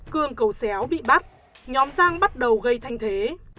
cương cầu xéo bị bắt nhóm giang bắt đầu gây thanh thế